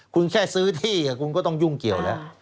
คุณแค่ซื้อที่คุณก็ต้องยุ่งเกี่ยวแล้ว